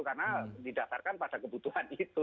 karena didasarkan pada kebutuhan itu